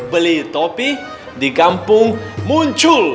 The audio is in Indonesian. beli topi di kampung muncul